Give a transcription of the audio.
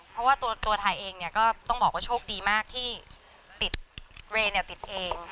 เพราะว่าตัวไทยเองก็ต้องบอกที่โชคดีมากที่เรติดเอง